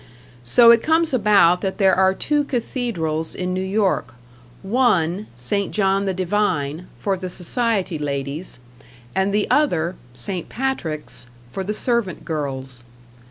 # So it comes about that there are two cathedrals in New York: one, St. John the Divine, for the society ladies, and the other, St. Patrick's, for the servant girls.